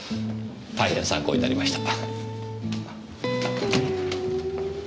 大変参考になりました。